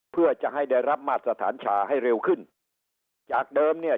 เพื่อจะให้ได้รับมาตรฐานชาให้เร็วขึ้นจากเดิมเนี่ย